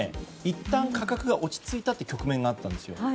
いったん価格が落ち着いた局面があったんですよ。